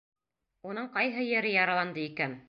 Уның ҡайһы ере яраланды икән?